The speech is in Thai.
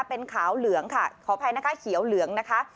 เป็นขาวเหลืองค่ะขออภัยนะคะเขียวเหลืองนะคะ